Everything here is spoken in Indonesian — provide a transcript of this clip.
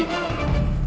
kekang sancang lodaya